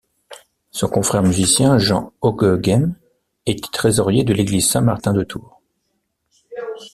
Son confrère musicien, Jean Ockeghem, était trésorier de l'église Saint-Martin de Tours.